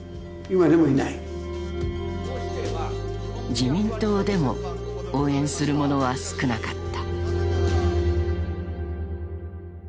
［自民党でも応援するものは少なかった］